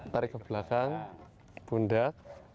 tarik ke belakang pundak